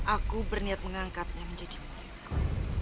aku berniat mengangkatnya menjadi pengikut